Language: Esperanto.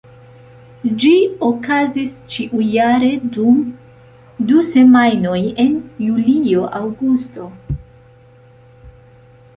Ĝi okazis ĉiujare dum du semajnoj en julio-aŭgusto.